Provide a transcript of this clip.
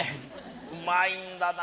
うまいんだな。